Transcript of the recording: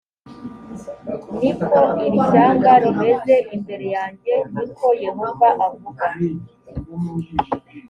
ni ko iri shyanga rimeze imbere yanjye ni ko yehova avuga